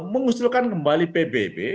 mengusulkan kembali pbb